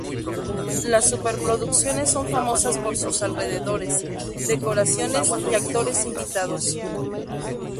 Las superproducciones son famosas por sus alrededores, decoraciones y actores invitados.